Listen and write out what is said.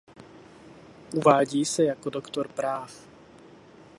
Uvádí se jako doktor práv.